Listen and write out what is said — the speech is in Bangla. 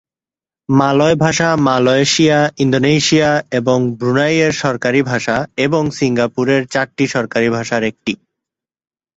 মালয় ভাষা মালয়েশিয়া, ইন্দোনেশিয়া এবং ব্রুনাইয়ের সরকারি ভাষা এবং সিঙ্গাপুর এর চারটি সরকারী ভাষার একটি।